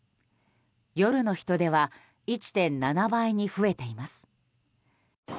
夜の人出は１．７倍に増えています。